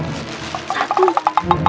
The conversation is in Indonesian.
satu dua tiga